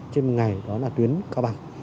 trên một ngày đó là tuyến cao bằng